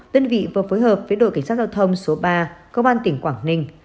đơn vị vừa phối hợp với đội cảnh sát giao thông số ba cơ quan tỉnh quảng ninh